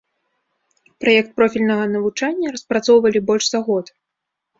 Праект профільнага навучання распрацоўвалі больш за год.